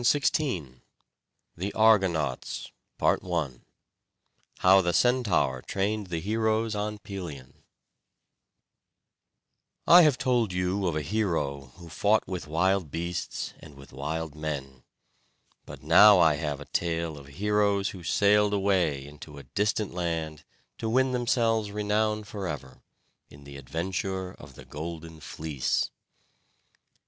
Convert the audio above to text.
CHAPTER X THE ARGONAUTS I How the Centaur Trained the Heroes on Pelion I have told you of a hero who fought with wild beasts and with wild men; but now I have a tale of heroes who sailed away into a distant land to win themselves renown forever, in the adventure of the Golden Fleece.